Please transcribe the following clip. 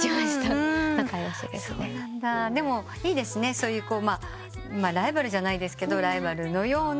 そういうライバルじゃないですけどライバルのような。